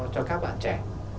cho các bạn trẻ